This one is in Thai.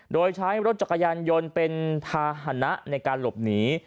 โดยใช้รถจักรยานยนต์เป็นภาษณะในการหลบหนี